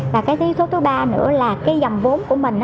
và cái yếu tố thứ ba nữa là cái dòng vốn của mình